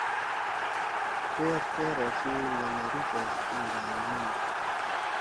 ٹأر ٹأر أݜی لنگری پیش نیِگھالنیِنا